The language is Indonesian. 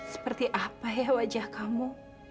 seperti apa ya wajah kamu